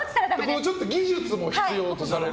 ちょっと技術も必要とされる。